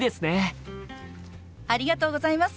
ありがとうございます！